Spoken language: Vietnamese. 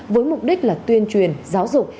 với mục đích là tuyên truyền giáo dục